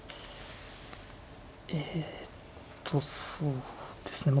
えとそうですね